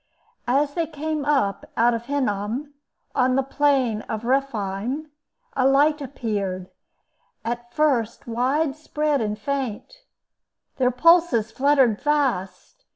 As they came up out of Hinnom, on the plain of Rephaim, a light appeared, at first wide spread and faint. Their pulses fluttered fast.